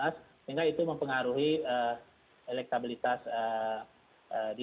sehingga itu mempengaruhi elektabilitas di dua ribu sembilan belas